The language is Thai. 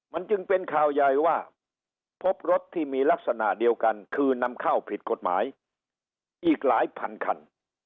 มันจึงเป็นข่าวใหญ่ว่าพบรถที่มีลักษณะเดียวกันคือนำเข้าผิดกฎหมายอีกหลายพันคัน